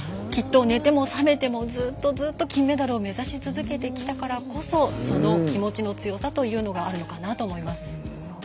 きっと、寝ても覚めてもずっとずっと金メダルを目指し続けてきたからこそその気持ちの強さというのがあるのかなと思います。